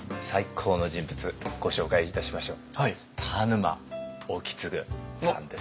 最高の人物ご紹介いたしましょう。